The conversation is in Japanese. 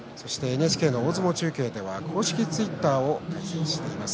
ＮＨＫ大相撲中継では公式ツイッターを開設しています。